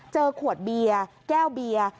เจอขวดเบียร์แก้วเบียร์